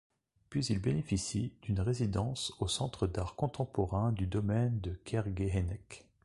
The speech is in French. Puis il bénéficie d'une résidence au Centre d'art contemporain du domaine de Kerguéhennec.